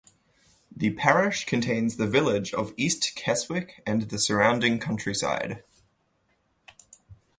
The parish contains the village of East Keswick and the surrounding countryside.